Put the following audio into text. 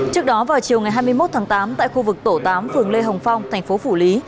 trước đó vào chiều ngày hai mươi một tháng tám tại khu vực tổ tám phường lê hồng phong thành phố phủ lý